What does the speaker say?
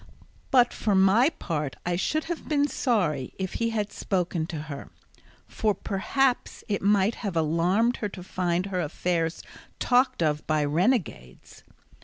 But for my part I should have been sorry if he had spoken to her, for perhaps it might have alarmed her to find her affairs talked of by renegades.